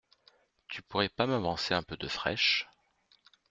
tu pourrais pas m’avancer un peu de fraîche ?